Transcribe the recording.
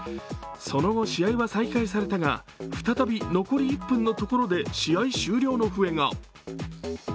その後、試合は再開されたが、再び残り１分のところで試合終了の声が。